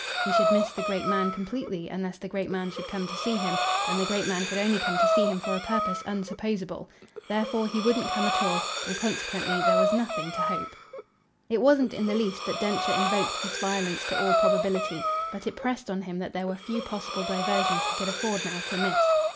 He should miss the great man completely unless the great man should come to see him, and the great man could only come to see him for a purpose unsupposable. Therefore he wouldn't come at all, and consequently there was nothing to hope. It wasn't in the least that Densher invoked this violence to all probability; but it pressed on him that there were few possible diversions he could afford now to miss.